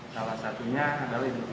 salah satunya adalah indonesia